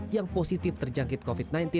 yang positif terjangkit covid sembilan belas